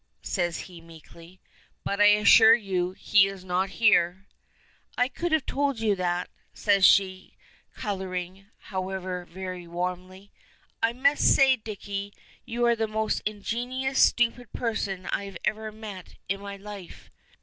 says he, meekly. "But I assure you he is not here." "I could have told you that," says she, coloring, however, very warmly. "I must say, Dicky, you are the most ingeniously stupid person I ever met in my life."